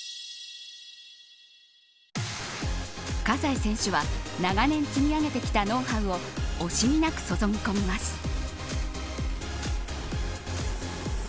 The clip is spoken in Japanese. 葛西選手は長年積み上げてきたノウハウを惜しみなく注ぎ込みます。